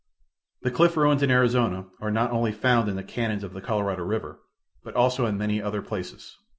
The cliff ruins in Arizona are not only found in the canons of the Colorado river, but also in many other places.